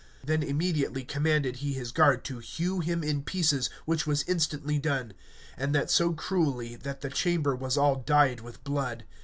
Then immediately commanded he his guard to hew him in pieces, which was instantly done, and that so cruelly that the chamber was all dyed with blood.